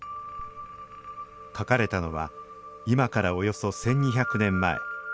書かれたのは今からおよそ１２００年前。